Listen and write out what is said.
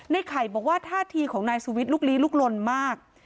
ไข่บอกว่าท่าทีของนายสุวิทย์ลุกลี้ลุกลนมาก